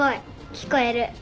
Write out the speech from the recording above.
聞こえる。